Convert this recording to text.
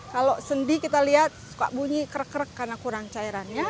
kalau sendi kita lihat suka bunyi krek krek karena kurang cairannya